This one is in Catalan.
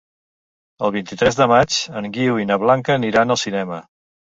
El vint-i-tres de maig en Guiu i na Blanca aniran al cinema.